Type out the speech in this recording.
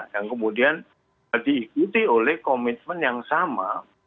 yang kemudian diikuti oleh komitmen yang sama